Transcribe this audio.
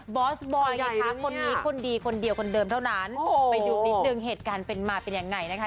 อสบอยไงคะคนนี้คนดีคนเดียวคนเดิมเท่านั้นไปดูนิดนึงเหตุการณ์เป็นมาเป็นยังไงนะคะ